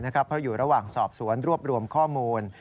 เพราะอยู่ระหว่างสอบสวนรวบรวมข้อมูล